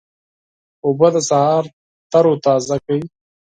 اوبه د سهار تروتازه کوي.